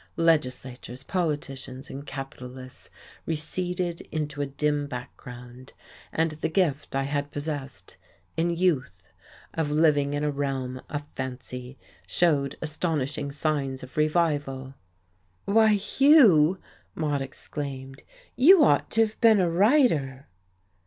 Legislatures, politicians and capitalists receded into a dim background; and the gift I had possessed, in youth, of living in a realm of fancy showed astonishing signs of revival. "Why, Hugh," Maude exclaimed, "you ought to have been a writer!"